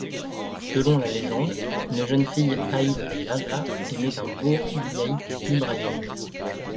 Selon la légende, une jeune fille Aït Yaaza aimait un beau Aït Ibrahim.